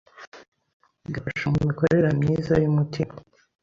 igafasha mu mikorere myiza y’umutima